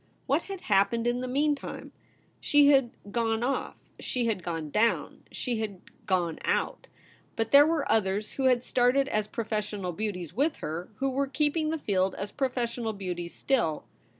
What had happened in the meantime ? She had ' gone off;' she had gone down ; she had gone out. But there were others who had started as professional beauties with her, who were keeping the field as professional beauties still.